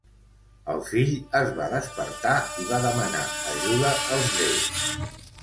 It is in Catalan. El fill es va despertar i va demanar ajuda als déus.